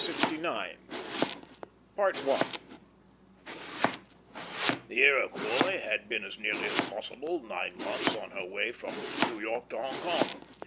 X CHINA AND JAPAN 1867 1869 The Iroquois had been as nearly as possible nine months on her way from New York to Hong Kong.